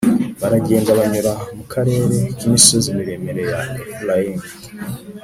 Baragenda banyura mu karere k imisozi miremire ya Efurayimu